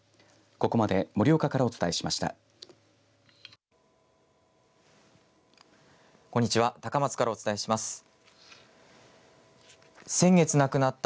ここまで盛岡からお伝えしました。